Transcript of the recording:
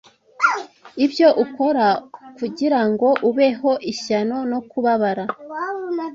ibyo ukora kugirango ubeho ishyano no kubabara